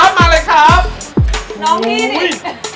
น้องนี่นี่